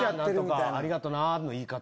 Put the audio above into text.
「ホンマやありがとな」の言い方。